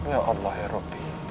ya allah ya rabbi